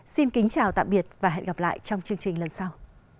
xin kính chào tạm biệt và hẹn gặp lại trong chương trình lần sau